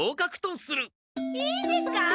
いいんですか？